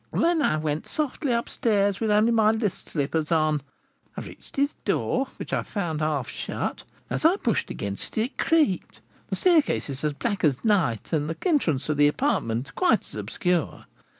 Then I went softly up stairs with only my list slippers on. I reached his door, which I found half shut; as I pushed against it, it creaked; the staircase is as black as night, and the entrance to the apartment quite as obscure.